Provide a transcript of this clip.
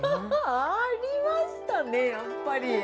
ありましたね、やっぱり。